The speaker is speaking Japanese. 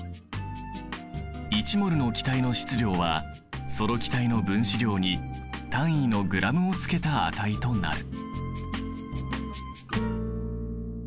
１ｍｏｌの気体の質量はその気体の分子量に単位のｇをつけた値となる。